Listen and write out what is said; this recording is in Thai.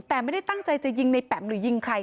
แต่ไม่ได้ตั้งใจจะยิงในแปมหรือยิงใคร